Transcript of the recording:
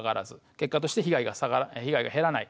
結果として被害が減らない。